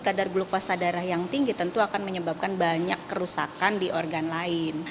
kadar glukosa darah yang tinggi tentu akan menyebabkan banyak kerusakan di organ lain